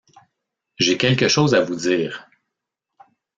J’ai quelque chose à vous dire!